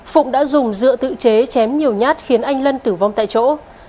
phụng đã dùng dựa tự chế chém nhiều nhát khiến anh lân tử vong tại chỗ